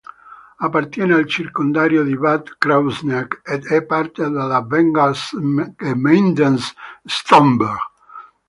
Appartiene al circondario di Bad Kreuznach ed è parte della Verbandsgemeinde Stromberg.